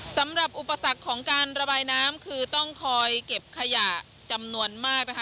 สำหรับอุปสรรคของการระบายน้ำคือต้องคอยเก็บขยะจำนวนมากนะคะ